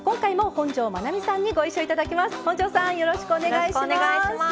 本上さんよろしくお願いします。